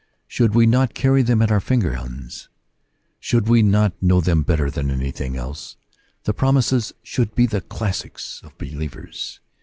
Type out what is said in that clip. Should we not carry them at our fingers* ends? Should we not know them better than anything else ? The promises should be the classics of believers.